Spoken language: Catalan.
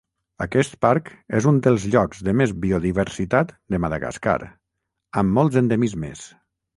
Aquest parc és un dels llocs de més biodiversitat de Madagascar, amb molts endemismes.